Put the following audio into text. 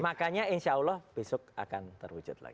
makanya insya allah besok akan terwujud lagi